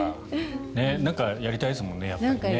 なんかやりたいですもんね。